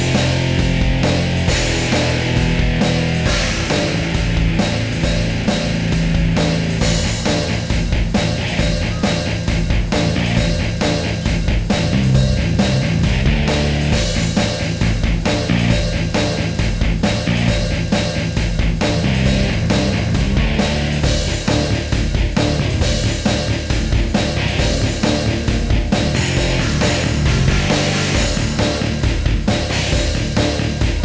gak ada yang ter